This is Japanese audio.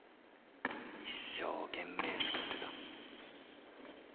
一生懸命作ってた。